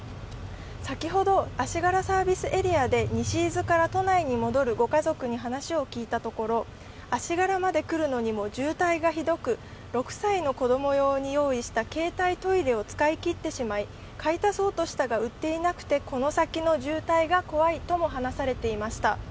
先ほど足柄サービスエリアで西伊豆から都内に戻るご家族に話を聞いたところ足柄まで来るのにも渋滞がひどく６歳の子供用に用意した携帯トイレを使い切ってしまい、買い足そうとしたが売っていなくてこの先の渋滞が怖いとも話されていました。